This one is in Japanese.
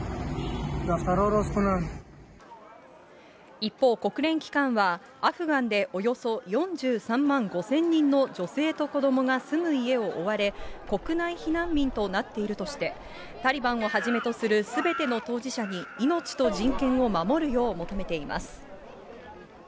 一方、国連機関はアフガンでおよそ４３万５０００人の女性と子どもが住む家を追われ、国内避難民となっているとして、タリバンをはじめとするすべての当事者に命と人権を守るよう求めています。